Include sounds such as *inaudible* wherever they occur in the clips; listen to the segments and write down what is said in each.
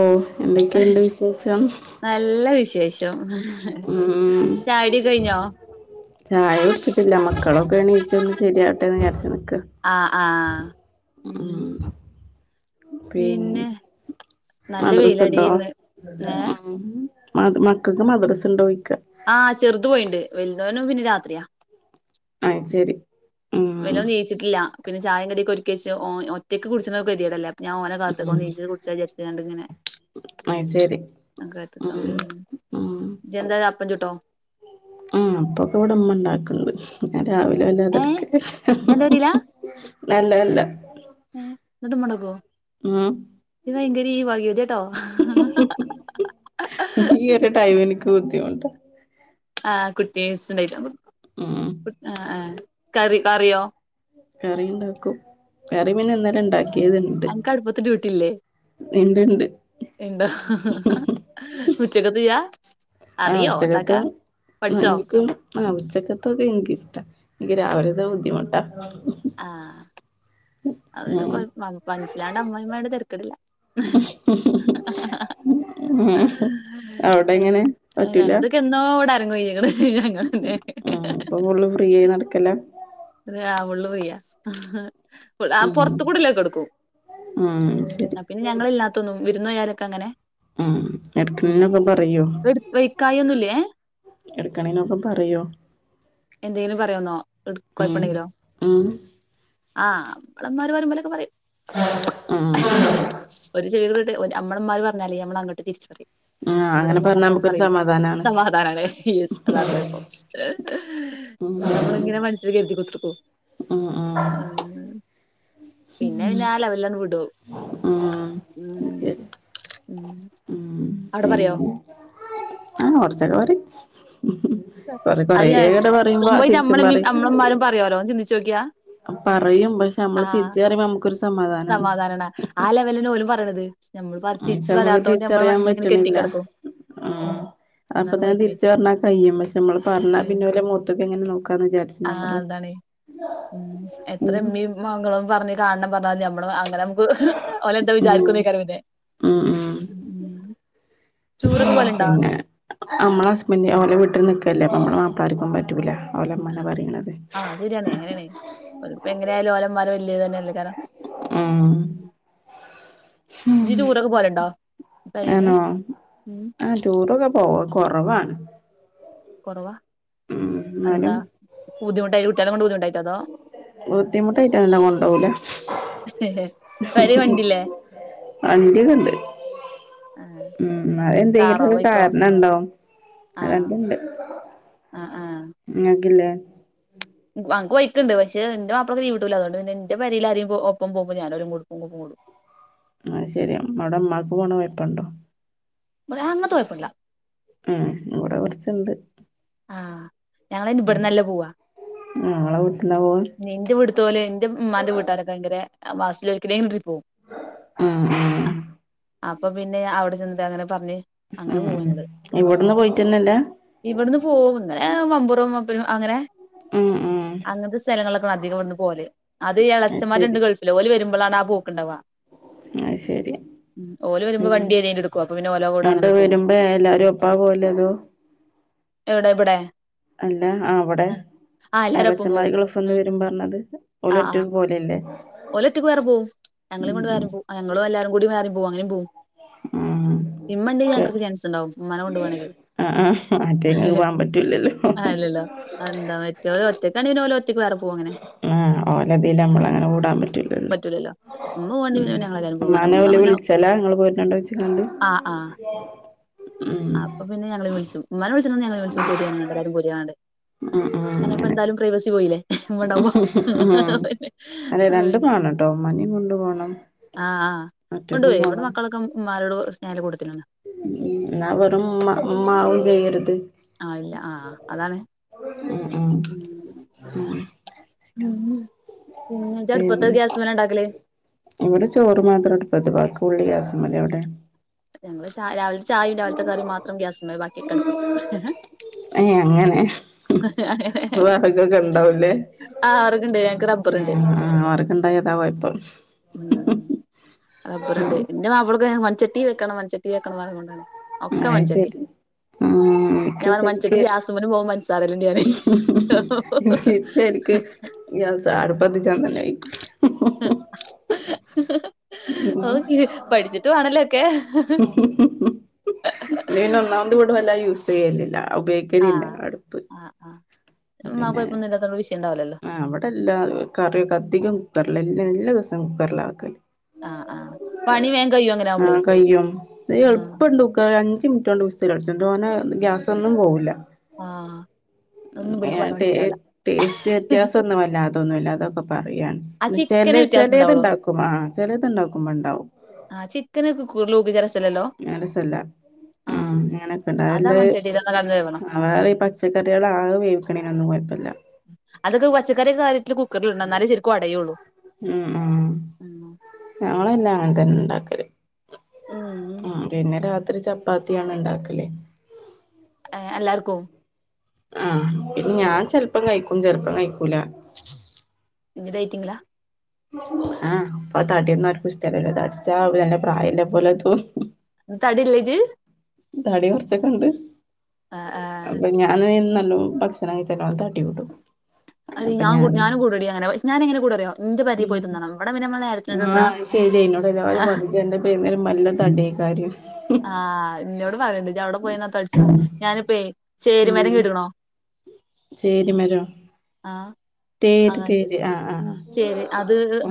ഓ എന്തൊക്കെയുണ്ട് വിശേഷം നല്ല വിശേഷം ഷം ഉം ചായ കുടിയൊക്കെ കഴിഞ്ഞോ ചായ കുടിച്ചിട്ടില്ല മക്കളൊക്കെ എണീച്ച് വന്ന് ശരിയാവട്ടെന്ന് വിചാരിച്ച് നിക്ക ആഹ് ആഹ് ഉം പിന്നെ നല്ല വെയിലടി മദ്രസ്സണ്ടോ ഇന്ന് ഏഹ് ഉം മ മക്കൾക്ക് മദ്രസ് ഉണ്ടോയി ആ ചെറുതു പോയിണ്ട് വലിതവന് പിന്നെ രാത്രിയാ ആ ശരി ഉം വെലിയവൻ ജയിച്ചിട്ടില്ല പിന്നെ ചായ കടിയെക്ക ഒരുരിക്കക്ക ഒറ്റക്കക്ക് കുടിച്ചൊക്കെ ഗതിയടല്ലേ ഞാൻ ഓനെ കാത്ത് ഉം വന്ന് *unintelligible* കുടിച്ച ജരിച്ചട്ടണ്ട് ഇങ്ങനെ അത് ശരി അ ഉ ഉം എന്ത ഉം ജനതയെ അപ്പം ചുട്ടോ ഉ അപ്പൊക്കെ ഇവിടെമ്മ ഇണ്ടാക്കണ്ട് ഞാൻ രാവിലെ ഏഹ് വല്ലാതെടുക്ക ഇജ്ജന്റെ നല്ല നല്ല ഏ ഇട്ട മുടക്കുവോ ങ്കരി ഇവക ഈ ഒരു ടൈം എനിക്ക് ബുദ്ധിമുട്ട ആ കുട്ടീ ഉം കറി കറിയോ കറി ഉണ്ടാക്കും കറി മന്നെ അന്നേരം ഉണ്ടാക്കി ആൻ കാടുപ്പത്തിൽ ഇട്ടില്ലേ ഉണ്ട് ഉണ്ട് എന്താ ഉച്ചക്കത്തെയാ ആഹ് ഉച്ചകത്ത് എനിക്കും ആ ഉച്ചക്കത്തൊക്കെ എനിക്കിഷ്ടം എനിക്ക് രാവിലെത്തെ ബുദ്ധിമുട്ടാ ആ അതിന് ഉം കൊ മനസ്സിലാണ്ട് അമ്മായി അമ്മയോട് തരക്കേടില്ല ഉം അവിടെ എങ്ങനെ പറ്റൂല ഞങ്ങതൊക്കെ എന്നോ എവിടെ അരങ്ങുവയിക്ക്ണു ഞങ്ങള് ഉം ഇപ്പൊ ഫുള്ള് ഫ്രീ ആയി നടക്കല അ വള്ളവയ്യാ ആ ഉം പുറത്തു കൂടില്ലേ കൊടുക്കും ഉം ശരി പിന്നെ ഞങ്ങളൾ ഇല്ലാത്തൊന്നും വിരുന്നുകാരൊക്കെ അങ്ങനെ ഉ ഉം എടക്കണൊക്കെ പറയുവോ എടു വൈക്കായൊന്നുല്ലേ എടുക്കണീനൊക്കെ പറയോ എന്തെങ്കിലും പറയാന്നോ എ ഉം കോയപ്പുണ്ടെങ്കിലോ ഉം ആഹ് നമ്മളന്നരു പറയും പോലൊക്കെ പറയും ഉം ഒരു ചെടികട്ട് അമ്മളന്മാര് പറഞ്ഞാലേ നമ്മള അങ്ങോട്ട് തിരിച്ചു പറയും ആ ഇവിടെ അങ്ങനെ പറഞ്ഞാ ഉമ്മ നമുക്കൊരു പറയില്ല സമാധാനാണ് സമാധാനല്ലേ എസ് ഈഅതാണ് കെഴപ്പം ഉ *unintelligible* ഉ പിന്നെന്നാല വല്ലാം വിടെ ആഹ് അത് ഉം ശരി ഉം ഉം അവിടെ പറയോ പിന്നെ കുറച്ചെക്ക പറയും കൊറെ അത് ഞാൻ കൊറേങ്ങട് പറയുമ്പോ തിരിച്ചും സംഭവട്ട്മ്മള പറയും അമ്മളമാരും പറയാലോ ചിന്തിച്ച നോക്കിയാ പറയും പക്ഷെ നമ്മള് തിരിച്ചറിയുമ്പോ നമക്ക് സമാധാനമാണ് ആ ലെവലിനന് ഓന് പറയണത് പക്ഷെ നമ്മൾതിരിച്ച് വരാത്തത കൊണ്ട് നമ്മടെ മനസ്സിൽ ഇങ്ങനെ കെട്ടിക്കിടക്കും ആ ഉം അതാണ് കൊഴപ്പേ അപ്പത്തന്നെതിരിച്ച് പറഞ്ഞ കഴിയു പക്ഷേ നമ്മള് പറഞ്ഞാൽ പിന്നെ അവര് മുഖത്ത്ക്ക് എങ്ങനെ നോക്കായെന്ന് വിചാരിക്കും ആ അതാണ് ഉം എത്ര ഉം ഉമ്മീയും മകളും പറഞ്ഞ് കാണണം പറഞ്ഞാൽ മതി നമ്മള നമുക്ക് ഓലെ എന്താ ഉം വിചാരിക്കും *unintelligible* ഉം ഉം ടൂറൊക്കെ പോവല്ണ്ടോ പിന്നെ നമ്മള ഹസ്ബൻ്റ് ഓലെ വീട്ടിൽ നിൽക്കല്ലെ നമ്മളെ മാപ്പളാർക്ക് പറ്റൂലാ ആ അത് ശരിയാണ് എങ്ങനെയാലും ഒലമ്മാര് വല്ലി തന്നല്ലെ വിളിച്ചതയാരാ ഉം *unintelligible* ആണോ ആ ടൂറൊക്കെ കൊറവാ കൊറവാ ഉം എന്നാലും ബുധിുട്ടാല കൊണ്ട്ണ്ടായി *unintelligible* ബുദ്ധിമുട്ടായിട്ടല്ല കൊണ്ടാവൂല പെരേ വണ്ടില്ലേ വണ്ടിയൊക്കെണ്ട് ആഹ് ഉം അതെന്തെങ്കിലും കാറോ ഒരു ബൈക്കോ കാരണം ഉണ്ടാവും ആഹ് ആഹ് നിങ്ങൾക്കില്ലേ അ ഞങ്ങൾക്ക് ബൈക്ക് ണ്ട് പക്ഷേ ഇൻ്റെ മാപ്പളക്ക് ലീവ ട്ടൂലാ അതോണ്ട് പിന്നെ ഇൻ്റെ പെരയില്ആരെങ്കിലും ഒപ്പം പോവുമ്പോ ഞാൻ ഓലപ്പം കൂടെ പോവും ആഹ ശെരി അമ്മടെ അമ്മാക്ക് പോണോണ്ട് കൊയ പൊണ്ടേ ഇവിടെഅങ്ങനത്തെ കുഴപ്പമില്ല ഉം ഇവിടെ കൊറച്ച്ണ്ട് ആഹ ഞങ്ങള ഉം ഇവിടന്നല്ല പോവാ ഞങ്ങളെ വീട്ട്ന്നാ പോവ എൻ്റെ വീട്ട്ത്തോല് ഇൻ്റെ ഇമ്മാൻ്റെ വീട്ടാരക്കെ ഭയങ്കര വാസ *unintelligible* ഉ ഉ അപ്പൊ പിന്നെ അവിടെ ചെന്നിട്ട് അങ്ങനെ പറഞ്ഞ് അങ്ങനെ ഉം ഉം പോവുന്നുണ്ട് ഇവിട്ന്ന് പോയിട്ടന്നെല്ല ഇവിന്ന് അങ്ങനെ മമ്പുറം മ അങ്ങനെ ഉം ഉം അങ്ങനത്തെ സ്തലങ്ങളിലൊക്കെ അധികം ഇവിട്ന്ന് പോകല് അത് എള ചുൻമാ ര്ണ്ട് ഗൾഫില്ഓല്‌വരുമ്പോ ഇപളാണ് ആ പോ കുണ്ടാവുക അത് ശരി ഉ വണ്ടി ഏതേലും എടുക്കും അപ്പൊ പിന്നെ ഓലെ കൂടെ അങ്ങട്ട് അങ്ങനെ പോവും വരുമ്പോ എല്ലാരും ഒപ പോകല് അതോ ഉം *inaudible* എവിടെ ഇബ്ടെ അല്ല ആ അവിടെ എല്ലാരും ഒപ്പം പോവും ഇളച്ചമാരികള ഉം ഗൾഫ്ന്ന്വരുമ്പ ഉം എന്ന്പറഞ്ഞത് ഒലു റ്റക്ക് പോലല്ലേ ഓലറ്റക്ക് വേറെ പോകും ഞങ്ങളൊണ്ട് ഞങ്ങള് എല്ലാരും കൂടി വേറി പോ അങ്ങനും പോവും ഉം ഉം ഇമ്മണ്ടങ്കിൽ കേ ഞങ്ങൾ കൊക്കെ ചാൻസുണ്ടാകും ഇമ്മാനെ കൊണ്ടാ കാണെങ്കിൽ ആഹ് ആഹ് മറ്റേ ഇങ്ങക്ക് പോകാൻ പറ്റൂലല്ലോ അല്ലല്ലോ എന്ത മറ്റോല് ഒറ്റക്കാണെങ്കി ഒാല് ഒറ്റ ഒറ്റക്ക് വേറെ പോവങ്ങനെ ആഹ് ഓലതീല് ഉം നമ്മളങ്ങനെ കൂടാൻ പറ്റൂലല്ലോ ഉമ്മ ഉം പോരുന്നുണ്ടെങ്കിൽ പിന്നെ ഞങ്ങൾ ഉമ്മാനെ ഒല് വിളിച്ചലാനിങ്ങൾ പോരുന്നുണ്ടോ ചോദിച്ച് ങ്ങാണ്ട് ആഹ് ആഹ് അപ്പൊ പിന്നെ ഞങ്ങള് വിളിചും ഇമ്മനെ വിളിച്ച് ണഞങ്ങളെ വിളിച്ചും പോരിം എല്ലാരും പോരിങ്ങാണ്ട് ഉം ഉം ഞാനപ്പോ അങ്ങനെ എന്തായാലും പ്രൈവസി പോയില്ലേ വടപോ ഉം അതെ രണ്ടും അതന്നെ വാണട്ടോ ഉമ്മാനിം കൊണ്ട് പോണം ആഹ് ആഹ് കൊണ്ട് ഒറ്റക്കും പോയി ഇവിടെ പോണം മക്കളൊക്കെ മമരോട് സ്നോന കൊടുത്തിലാണ് എന്നാ വറ ഉമാ ഉമ്മാവും ചെയ്യും ആ ഇല്ല ആഹ അതാണ് ഉം ഉം ഉം ഉം ഇജ് അടുപ്പത്താ പിന്നെ ഗ്യാസ് മല ഉണ്ടാക്കല് ഇവിടെ ചോറ് മാത്രം അടുപ്പത്ത് ബാക്കി ഫുള്ളും ഗ്യാസ് മല് ഞങ്ങള് ച രാവിലെത്തെ ചായി രാവിലെ ത്തെക്കറിം മാത്രം ഗ്യാസ് മേല് ബാക്കിയൊക്കെ അടുപ്പത്ത് ഏ അങ്ങനെ അങ്ങനെ വറക് ഒക്കെ ഉണ്ടാവുല്ലേ ആഹ് അവർക്കുണ്ട് ഞങ്ങക്ക് റബ്ബറുണ്ട് ആ വെറക് ഉണ്ടായാൽഅതാ കൊയപ്പം ഉം ഇബടണ്ട് എൻ്റെ മാപ്പിളക്ക് മൺചട്ടിൽ വെക്കണം മൺചട്ടില് വെക്കണംന്നറിഞ്ഞോണ്ടാണ് വെക്കണം പറഞ്ഞ് കൊണ്ടാണ് അത് ശരി ഉ ഞാൻ എനിക്ക് പറഞ്ഞു മൺചട്ടി ശരിക്ക് ഗ്യാസുമ്മലും പോകും പഞ്ചസാരയിലും ഞാന് ീച്ച എക്ക് ഞ സാറ് പതിിച്ചാ തന്നെയിക്ക *unintelligible* ഉം പഠിച്ചിട്ട് വേണല്ലേ ഒക്കെ ഇന്ന ഒന്നാമത് കൂട വല്ല യൂസ് ചെയ്യലില്ല ഉപയോഗിക്കലില്ല അടുപ്പ് ആ് കോയിപ്പന്നില്ലല്ലാത്ത വിം ആ അവിടെല്ലാ കറിയൊക്കെ അധികം കുക്കറില എല്ല എല്ലാ ദിവസം കുക്കറില ആക്കല് ആഹ് ആഹ് പണി വേഗം കഴിയും അങ്ങനെ ആഹ ആവുമ്പളേ കഴും അ ആഹ് എളുപ്പംണ്ട്ക്ക ണ്ട് വിസ ല ടിക്കു ോനെ ഗ്യാസ ഒന്നും പോവില്ല ആഹ് അതൊന്നും ഇവർക്ക് പറഞ്ഞാ മനസ്സിലാവില്ല ടേസ് ടേസ് ഗ്യാസൊന്നു വല്ലാതെഅതന്നുമല്ല അതെ പറയൻ ആ ച ചിക്കനെ വ്യത്യാസം ഉണ്ടാവുള്ളൂ ചിലത്ണ്ടാക്കും ആ ചിലത്ണ്ടാക്കുമ്പോ ഉണ്ടാവും ആഹ ചിക്കനൊക്കെ കു ലൂപ്പിിച്ചരസല്ലല്ലോ ഉ അങ്ങനെയൊക്കെണ്ട് അല്ല കടന്ന് വേവണം വേറെ ഈ പച്ചക്കറികള ആകെ വേവിക്കണനൊന്നും കുഴപ്പമില്ല അതൊക്കെ പച്ചക്കറിിയെ കാര്യത്തിൽ കുക്കറിലുണ്ട എന്നാലേ ശരിക്കും ഉടയുള്ളൂ ഉം ഉം ഉം ഞങ്ങളെല്ലാം അങ്ങനെ തന്നെ ഉണ്ടാക്കരു പിന്നെ അത്ര ചപ്പാത്തിയാണ് ഉണ്ടാക്കലേ ഏ എല്ലാർക്കും ആഹ പിന്നെ ഞാൻ ചെിലപ്പം കഴിക്കും ചെിലപ്പം കഴിക്കൂല ഇതൈറ്റിങ്ങളാ ആഹ് അപ്പൊ തടിയന്ന ഒരു പുസ്തല്ലല്ലോ തടിച്ച തെ പ്രായല്ലെ പോലെതക്ക് സി സ് തടില്ലേ ഇജ്ജ് തടി കുറച്ചൊക്കെ ഉണ്ട് ആ ആ അപ്പൊ ഞൻ ഭക്ഷ കത്ത് അട്ടി വിട്ടു അ ഞഞാനും കൂടടി അനെ ഞാന എങ്ങന കൂടെ അറോ നിന്റെ പരി പോയി തിന്ന നമ്മടെെ ആഹ ശരിായിതിനോട് എല്ലാവരും മതി എ പുന്ന ഒരു നല്ല തടിയ കാര്യം ആഹ് എന്നന്നോട് പറയണ്ട് ഇ അവിടെ പോയിെന്ന തളിച്ച ഞാനിപ്പ ചേരിമരം ക കേടുക്കണോ ശരി മരോ ആ തര് ആ തേരി ആഹ ആഹ് ശരി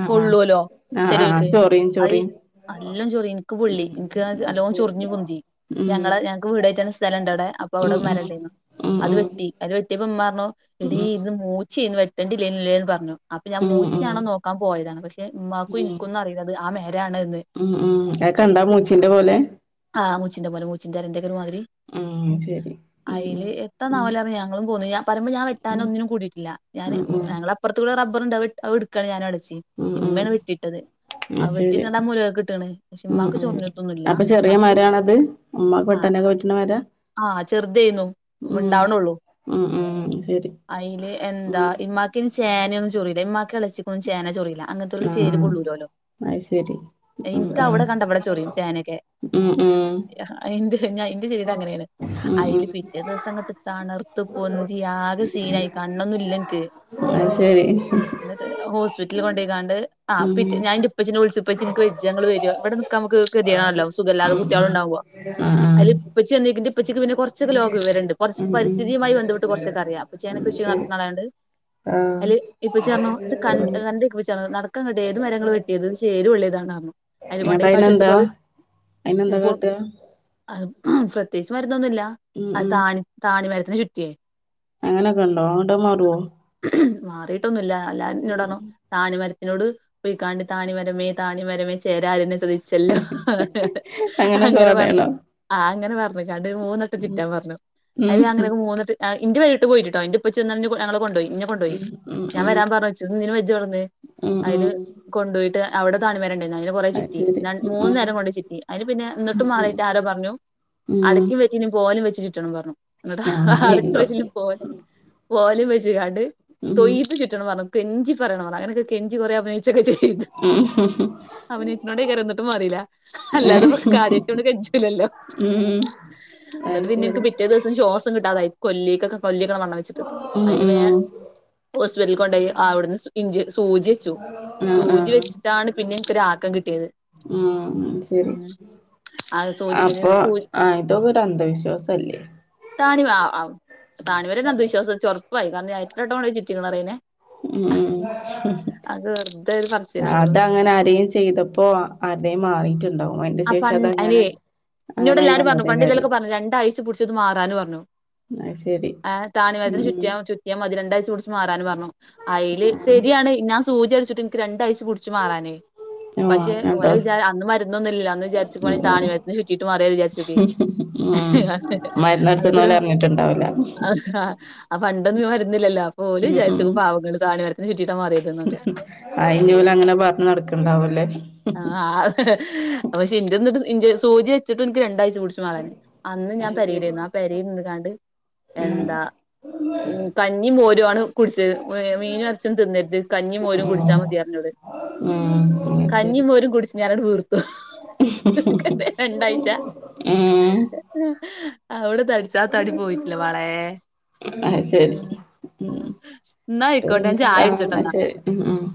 ആഹ് ആഹ് ആഹ് ആഹ് ചെിലർക്ക് ചൊറിയും അത് ചൊറിയും എല്ലാം ചൊറി എനിക്ക് പൊള്ളി ഉം എനക്ക് ഉം അത് അല്ലോ ശരി ചൊറിഞ്ഞഞ് പൊന്തി ഉം ഞങ്ങള് ഞങ്ങക്ക് വീട കഴ തുന്ന സ്ഥലംുണ്ട് അവിടെ അപ്പൊ അവിടെ ഉം ഉം മരണ്ടു ഉം അത് ഉം വെട്ടി അത് വെട്ടിയപ്പ എമാ പറഞ്ഞോ ഇട ഉം ഇന്ന് മൂച്ചി ഇന്ന് വെട്ടേണ്ടല്ലേല്ലേന്ന് പറഞ്ഞു അപ്പൊ ഞാൻ ഉം ഉം മൂച്ചിയാണോ നോക്കാൻ പോയതാണ് പക്ഷെ ഉമ്മാക്കും ഉം എനിക്കൊന്നും അറിയല്ലത് ആ മേരാണ് എന്ന് ഉം ഉം അതൊ ക കണ്ടാ മൂച്ചിന്റെ പോലെ ആഹ്ൂച്ചിന്തമാ മച്ചിന്ത എന്തൊക്കെും മാതിരി ഉം ശരി ഉം അയില് ഉം ഉം എത്താന്നാവലറ ഞങ്ങളും പോന്ന ഞ പറമ്പോ ഞാൻ വെട്ടാന ഉം ഒന്നിനും കൂടിട്ട ഞ ഉം ഞങ്ങളപ്പുറത്ത കൂ റബ്ബുണ്ടാവ എടുക്കയാണ് ഞാനട ഉം ഉം ഉം ഇമ്മന വിട്ടിട്ടത് അ അത് വെട്ടിട്ട് ശരി രണ്ട മൂലക്കെ കിട്ടാണ് പക്ഷെ ഉം ഉമ്മാക്ക് ഉം ചൊറഞ്ഞത്തൊന്നുമില്ല ഉമ്മാക്ക് ആഹ െ പറ്റണേരാ ആഹ ചെറുതായിന്നും ഉണ്ടാവണള്ളൂ ഉം ഉം ശരി അയില് എന്താ ഉം ഇമമാക്കിന് ശേനൊന്നും ചോറി ഉ്മാക്ക കളിച്ചിക്ക ചോ ചൊറയി അങ്ങനത്തെ ചേരു ആഹ് പൊള്ളൂലല്ലോ ആഹ് അത് ശരി ഉം എനിക്ക അവിടെ കണ്ടവിടെ ചോറിയും ചേനൊക്കെ ഉം ഉം ഞാൻ ഇന്റെ ചെടീട് അങ്ങനെയാണ് ഉം ഉം അയിൽ ഉം പിറ്റേ ദിവസംങ്ങട്ട് തണർത്ത പൊന്തി ആകെ സീന ആായി കണ്ണൊന്നും ഇല്ലക്ക് അ ശരി എന്നിട്ട് ഹോസ്പിറ്റല കൊണ്ടേക്ക ആ ഉം പി ഉം ഞാൻന്റെ ഇപ്പെ വിളിച്ചപ്പച്ച എനിക്ക് വെജഞങ്ങള്ൾ വര ഇവിടെ നി നമുക്ക് ്യണല്ല സഖല്ല അത ഉം കുട്ടികള ഉണ്ടാവുക ആഹ് ആഹ് അതില് ഇപ്പച്ച ചിി് ഇപ്പച്ചക്ക് പിെ കുറച്ചൊെ ലോം വിവരണ്ട് കുറച്ച് ഉം ഉം പരിസ്ഥിതിുമായി ബന്ധപ്പെട്ട് കുറച്ചൊക്ക അറിയാം പപ്പേ കൃഷി നടത്തുന്നളണ്ട് ആഹ ഇപ്പൊ ചേർന്ന ഇത് ക കണ്ട ഇപ്പ ചേർ നടക്കാ ക കേട്ടെ ഏത് മരങ്ങള് വെട്ടിയത് ശേരുവള്ളതാണ്ു അതിൽ കൊണ്ടയി കാട്ട എടുത്തു എന്നിട്ടയിനെന്താ പോത് അയിനെന്താ ഇപ്പൊ കാട്ടാ പ്രത്യേകിച്ച് മരുന്നൊന്നുമില്ല ഉം താണി താണി മരത്തിന് ചുറ്റിയേ അങ്ങനെയൊക്കെ ഉണ്ടോ ട്ട മാറുവോ മാറിയിട്ടൊന്നുമില്ലല്ല അല്ലാ ഇോടണോ ഉം താണിമ ോട് പോയിാി താണിമരമേ താണിമരമേ ചേര ിച്ചല്ലോ അങ്ങനൊക്കെ അങ്ങനെ പറ പറയണം ആ അങ്ങനെ പറഞ്ഞ രണ്ട് മൂന്നെട്ട് ഉം ചിറ്റാൻ പറഞ്ഞു ഉം അതില് അങ്ങനെയൊക്കെ മൂന്നെട്ട് ആ ഇന് വഴിട്ട പോയിട്ടോ ഇന്റെ ഇപ്പ ചെന്ന ഞങ്ങള് കൊണ്ടപോയി ഇെ കൊുപോയി ഉം ഉം ഞാൻ ഉം വരാൻ പറഞ്ഞ വച്ചി നിീന് വെജ് പറന്ന് ഉം ഉം അതില് ഉം കൊണ്ടു പോോയിട്ട് അവിടെ താണി വരണ്ട അന് കൊറെ അത് ചിറ്റി ശരി ഉം മൂന്നു ഉം നേരം കൊണ്ട് ചിറ്റി അതിന് പിന്നെ ഉം എന്നിട്ടും ഉം മാറിയിട്ട് ആരോ പറഞ്ഞു ഉം അടയ്ക്ക വെച്ചിനി പോല വെച്ചിട്ട് ച പറഞ്ഞു എന്നിട്ടാ അടക്ക അങ്ങനെയുണ്ടോ വരലും പോ പോലും വെച്ച കാണ്ട് ഉം തൊയ്പ്പ് ചുറ്റന്ന് പറഞ്ഞു കെഞ്ചി പറയണ പറു അങ്ങനൊക്കെ കെഞ്ചി കുറെ അഭിനയിച്ചൊക്കെ ചെയ്തു ഉം ഉം അവനേച്ചനോട് കറ എന്നിട്ടും മാറിയില്ല അല്ലാതെ കാര്യട്ടൊണ്ട് കെഞ്ചില്ലല്ലോ അത് എന്നിട്ട് പിന്നെ എനിക്ക് ശരി പിറ്റേ ദിവസം ശ്വാസം കിട്ടാതായി കൊല്ലിക്കൊക്കെ കൊല്ലിക്കള മണ്ണം വെച്ചിട്ട് ഉം അതില് വേ ഉം ഹോസ്പിറ്റല കൊണ്ട അവിടുന്ന് ഇഞ്ച സൂചി വെച്ചു ആഹ് സൂചി വെച്ചിട്ടാണ് പിന്നെ ആക്കം കി ആഹ ശരി ആ സൂചി പിന്നെ അപ്പൊ സൂ ആ ഇതൊക്കെ ഒരു അന്ധവിശ്വാസ അല്ലേ താണിവ താണിവരന്ന അന്ധവിശ്വാസം ഒറപ്പായി കാരണം എത്രോട്ടം കൊ ചുറ്റിക്ക്ണ അയിനേ ഉം വെറുതെ ഒരു പറച്ചിലാന്നുള്ളു അതങ്ങനെ ആരെയും ചെയ്തപ്പോ ആരുടെയും മാറിട്ടുണ്ടാവും അതിന്റെ ആ ശേഷം പണ്ട് അയിനെ അതങ്ങനെ ഇന്നോട് അങ്ങനായി എല്ലാരും പറഞ്ഞു പണ്ടല്ലൊ വന്നതേകാര്യം ലെക്കെ പറഞ്ഞു രണ്ടാഴ്ച പിടിച്ചു അത് മാറാനു പറഞ്ഞു അത് ശരി ആ താണിമത്തിന് ഉം ചുറ്റിയ ചുറ്റിയാ അതി രണ്ടായിച മാറാന് പറഞ്ഞു അയ്ല് ശരിയാണ് ഞാൻ സൂചി അടിച്ചിട്ട് എനിക്ക് രണ്ടാഴ്ച പുടിച്ച് മാറാനേ ഓഹ് പക്ഷെ ഓല അങ്ങനെണ്ടോ വിചാ അന്ന് മരുന്നൊന്നും ഇല്ലല്ലോന്ന് വിചാരിച്ചു ഉം പോവാണെ ഉം താണിന്ന് ചുറ്റിട്ട് മാറി വിചാരിച്ചക്ക് ഉം അ മരുന്നടിച്ചെന്ന് അതൊക്കൊരു ഓല് അറിഞ്ഞിട്ടുണ്ടാവില്ല ആ പണ്ടൊന്നും മരുന്നില്ലല്ലോ ഓല് ഉം ഉം വിചാരിച്ചു പാവങ്ങൾ താണി മരത്തിന് ചുറ്റിട്ടാ മാറിയതൊക്കെ അയിഞ്ഞൂല അങ്ങനെ പറഞ്ഞ നടക്കണ്ടാവുംല്ലേ ആഹ പക്ഷെ എന്റെ ന്നിട്ട് സൂചി വെച്ചിട്ട് എനിക്ക് രണ്ടാഴ്ച ടിച്ച മാറാന്‌ അന്ന് ഞാൻ അത് ശരി പരയിലായിരുന്നു ആ പര നിന്ന് കാണ്ട് ഉം എന്താ ഉ കഞ്ഞി *unintelligible* കുടിച്ചർ മീനും എർച്ചും തിന്നരുത് കഞ്ഞിയും മോരും ഉം കുടിച്ചാൽ ഉം മതി അറിഞ്ഞോല് ഉം അത് ശരി കഞ്ഞിയും മോരും കുടിച്ച് ഞാൻ അട് വീർത്തു രണ്ടാഴ്ച ഉം അവിടെ തടിച്ചാ തടി പോയിട്ടില്ല മാളേ അ ശരി ഉ ന്നാ ആയിക്കോട്ടെ ഞാൻ ചായ പിന്നെതാന്ന കുടിച്ചട്ടെന്നാ ശരി ഉ *inaudible*